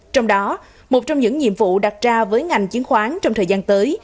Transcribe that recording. trong đó một trong những nhiệm vụ đặt ra với ngành chứng khoán trong thời gian tới